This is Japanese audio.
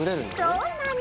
そうなの。